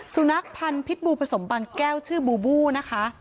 สุนัขพันธ์พิษบูผสมบางแก้วชื่อบูบูนะคะ